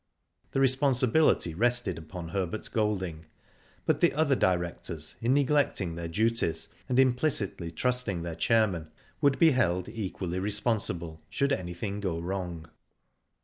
The responsibility rested upon Herbert Golding, but the other directors in neglecting their duties, and implicitly trusting their chairman, would be held equally responsible should anything go wrong.